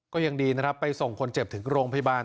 ก็ยังดีนะครับไปส่งคนเจ็บถึงโรงพยาบาล